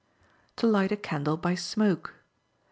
To Light a Candle by Smoke.